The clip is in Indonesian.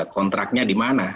kontraknya di mana